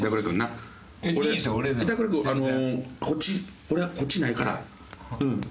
板倉君こっち俺はこっちないからうん。